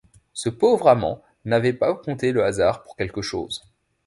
Ce pauvre amant n’avait pas compté le hasard pour quelque chose.